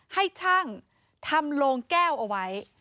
ให้ช่างทำโลงแก้วเอาไว้